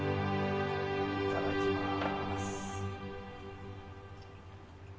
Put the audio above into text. いただきます。